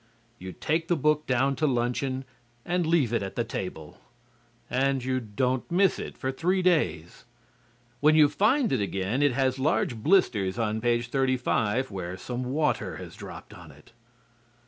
You take the book down to luncheon and leave it at the table. And you don't miss it for three days. When you find it again it has large blisters on page 35 where some water was dropped on it.